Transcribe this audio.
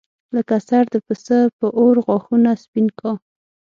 لکه سر د پسه په اور غاښونه سپین کا.